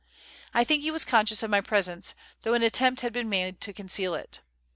I think he was conscious of my presence, though an attempt had been made to conceal it.